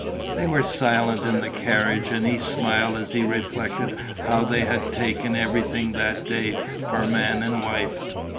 They were silent in the carriage; and he smiled as he reflected how they had been taken everywhere that day for man and wife.